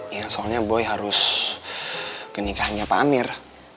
ya soalnya boy harus ke nikahannya pamir